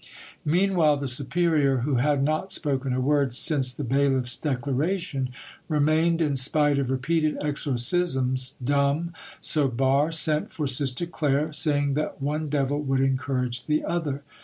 Meanwhile the superior, who had not spoken a word since the bailiff's declaration, remained, in spite of repeated exorcisms, dumb, so Barre sent for Sister Claire, saying that one devil would encourage the other.